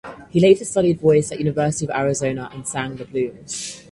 He later studied voice at University of Arizona and sang the blues.